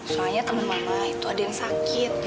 soalnya gada temen mama itu ada yang sakit